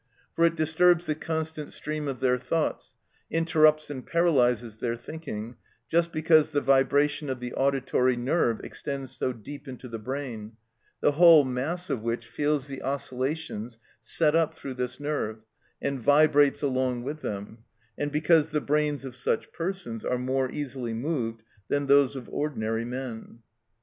For it disturbs the constant stream of their thoughts, interrupts and paralyses their thinking, just because the vibration of the auditory nerve extends so deep into the brain, the whole mass of which feels the oscillations set up through this nerve, and vibrates along with them, and because the brains of such persons are more easily moved than those of ordinary men.